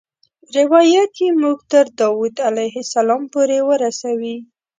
روایت یې موږ تر داود علیه السلام پورې ورسوي.